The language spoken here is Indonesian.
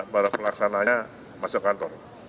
para pelaksananya masuk kantor